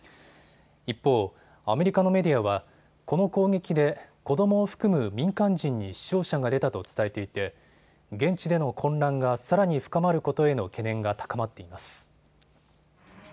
一方、アメリカのメディアはこの攻撃で子どもを含む民間人に死傷者が出たと伝えていて現地での混乱がさらに深まることへの懸念が高まっています。